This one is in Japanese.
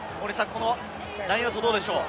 ラインアウトどうでしょうか？